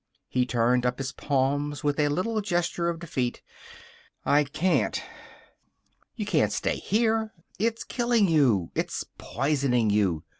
He turned up his palms with a little gesture of defeat. "I can't." "You can't stay here. It's killing you. It's poisoning you.